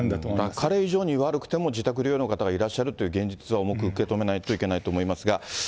彼以上に悪くても自宅療養の方がいらっしゃるという現実は重く受け止めないといけないと思いますが。